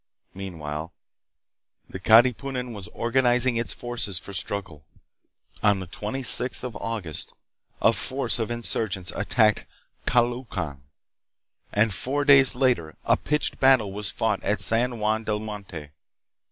Meanwhile the Katipunan was organizing its forces for struggle. On the 26th of August, a force of insurgents attacked Caloocan, and four days later a pitched battle was fought at San Juan del Monte.